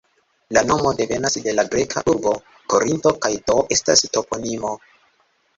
La nomo devenas de la greka urbo Korinto kaj do estas toponimo.